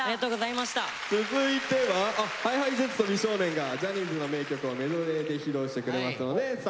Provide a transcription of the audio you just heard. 続いてはＨｉＨｉＪｅｔｓと美少年がジャニーズの名曲をメドレーで披露してくれますのでスタンバイお願いします。